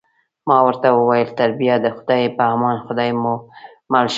ما ورته وویل: تر بیا د خدای په امان، خدای مو مل شه.